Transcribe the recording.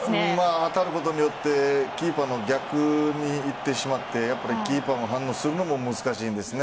当たることによってキーパーの逆にいってしまってやっぱりキーパーも反応するのも難しいんですね。